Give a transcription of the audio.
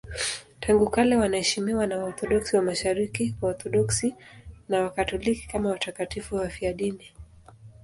Tangu kale wanaheshimiwa na Waorthodoksi wa Mashariki, Waorthodoksi na Wakatoliki kama watakatifu wafiadini.